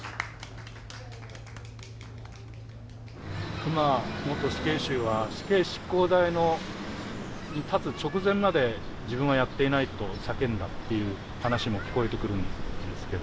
久間元死刑囚は死刑執行台に立つ直前まで自分はやっていないと叫んだっていう話も聞こえてくるんですけど。